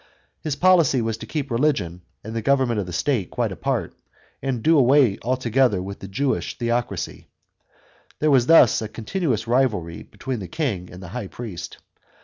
His policy was to keep religion and the government of the state quite apart, and do away altogether with the Jewish theocracy. There was thus a con tinuous rivalry between the king and the high priest.